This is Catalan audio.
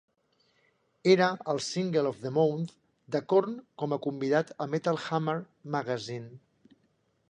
Era el "single of The Month" de Korn com convidat a Metal Hammer Magazine.